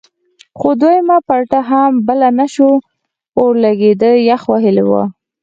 خو دویمه پلته هم بله نه شوه اورلګید یخ وهلی و.